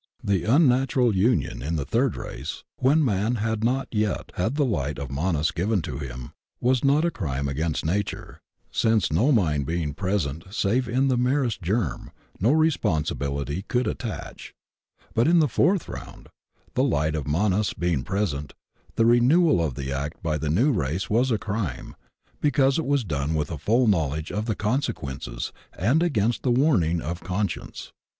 The unnatural union in the third race, when man had not yet had the light of Manas given to him, was not a crime against Nature, since, no mind being present save in the merest germ, no responsibility could at tach. But in the fourth round, the light of Manas being present, the renewal of the act by the new race was a crime, because it was done with a full knowledge of the consequences and against the warning of con science.